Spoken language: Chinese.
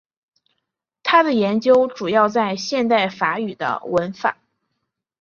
他的研究主要在现代法语的文法。